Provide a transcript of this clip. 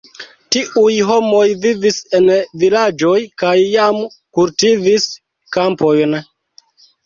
Tiuj homoj vivis en vilaĝoj kaj jam kultivis kampojn.